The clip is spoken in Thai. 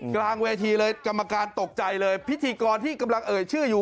กลางเวทีเลยกรรมการตกใจเลยพิธีกรที่กำลังเอ่ยชื่ออยู่